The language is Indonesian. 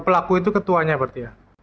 pelaku itu ketuanya berarti ya